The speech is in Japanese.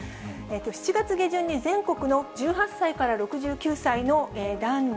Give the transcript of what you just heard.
７月下旬に全国の１８歳から６９歳の男女